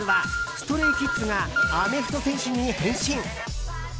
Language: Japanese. ＳｔｒａｙＫｉｄｓがアメフト選手に変身。